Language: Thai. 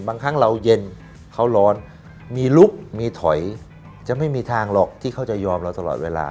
บางครั้งเราเย็นเขาร้อนมีลุกมีถอยจะไม่มีทางหรอกที่เขาจะยอมเราตลอดเวลา